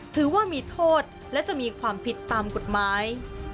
ถือว่ามีโทษและจะมีความผิดตามกฎหมาย